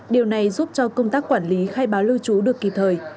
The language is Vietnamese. điều này giúp cho công tác quản lý khai báo lưu trú được kịp thời